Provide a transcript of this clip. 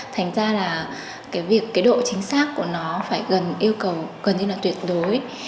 thành ra là cái độ chính xác của nó phải gần như là tuyệt đối